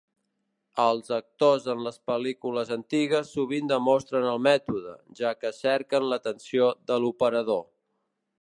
Els actors en les pel·lícules antigues sovint demostren el mètode, ja que cerquen l'atenció de l'operador.